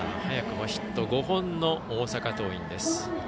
早くもヒット５本の大阪桐蔭です。